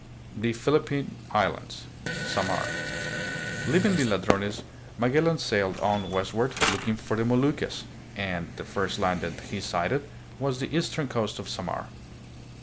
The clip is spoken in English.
The Philippine Islands. Samar. Leaving the La drones Magellan sailed on westward looking for the Moluc cas, and the first land that he sighted was the eastern coast of Samar.